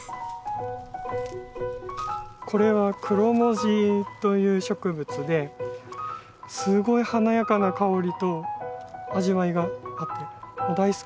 これはクロモジという植物ですごい華やかな香りと味わいがあって大好きなんですよね。